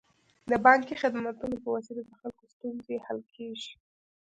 د بانکي خدمتونو په وسیله د خلکو ستونزې حل کیږي.